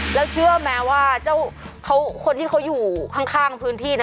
แล้วเชื่อไหมว่าเจ้าคนที่เขาอยู่ข้างพื้นที่นะ